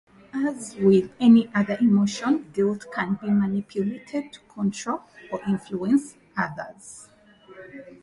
As with any other emotion, guilt can be manipulated to control or influence others.